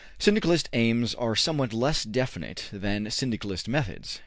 Syndicalist aims are somewhat less definite than Syndicalist methods.